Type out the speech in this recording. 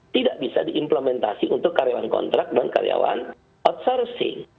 tidak bisa diimplementasi untuk karyawan kontrak dan outsourcing